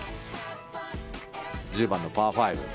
１０番のパー５。